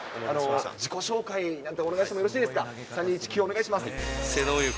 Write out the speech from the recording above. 自己紹介なんてお願いしてもよろしいでしょうか。